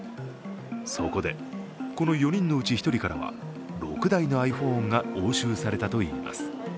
そこで、この４人のうち１人からは６台のｉＰｈｏｎｅが押収されたといいます。